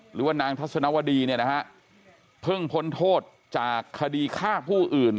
หรือว่านางทัศนวดีเนี่ยนะฮะเพิ่งพ้นโทษจากคดีฆ่าผู้อื่น